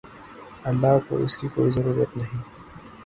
اللہ کو اس کی کوئی ضرورت نہیں